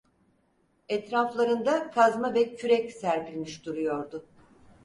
Etraflarında kazma ve kürek serpilmiş duruyordu.